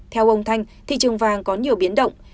theo ông thanh thị trường vàng có nhiều biến động